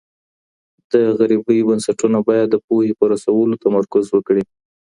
د غریبۍ بنسټونه باید د پوهي په رسولو تمرکز وکړي.